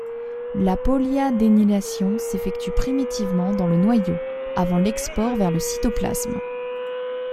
La polyadénylation s'effectue primitivement dans le noyau, avant l'export vers le cytoplasme.